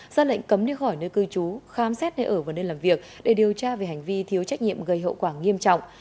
ra lệnh cấm đi khỏi nơi cư trú khám xét nơi ở và nơi làm việc để điều tra về hành vi thiếu trách nhiệm gây hậu quả nghiêm trọng